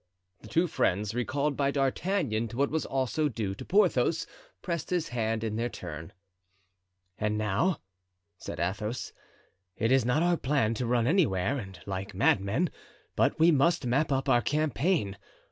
The two friends, recalled by D'Artagnan to what was also due to Porthos, pressed his hand in their turn. "And now," said Athos, "it is not our plan to run anywhere and like madmen, but we must map up our campaign.